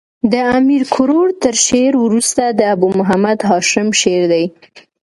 د امیر کروړ تر شعر وروسته د ابو محمد هاشم شعر دﺉ.